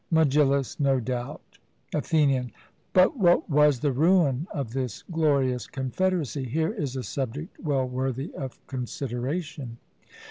MEGILLUS: No doubt. ATHENIAN: But what was the ruin of this glorious confederacy? Here is a subject well worthy of consideration.